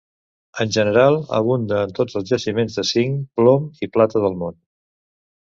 En general, abunda en tots els jaciments de zinc, plom i plata del món.